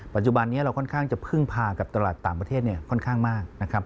ปัจจุบันนี้เราค่อนข้างจะพึ่งพากับตลาดต่างประเทศค่อนข้างมากนะครับ